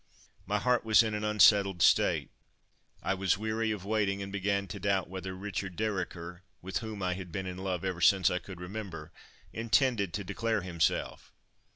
My heart was in an unsettled state; I was weary of waiting, and began to doubt whether Richard Dereker, with whom I had been in love ever since I could remember, intended to declare himself.